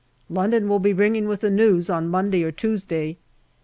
London will be ringing with the news on Monday or Tuesday.